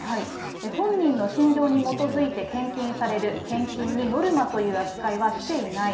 本人の信条に基づいて献金される献金にノルマという扱いはしていない。